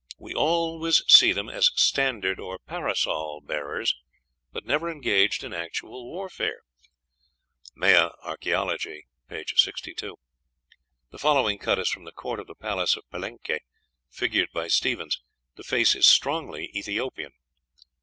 'We always see them as standard or parasol bearers, but never engaged in actual warfare.'" ("Maya Archæology," p. 62.) The following cut is from the court of the Palace of Palenque, figured by Stephens. The face is strongly Ethiopian.